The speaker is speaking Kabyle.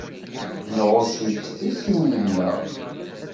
Nɣucc-itt i sin yid-nneɣ.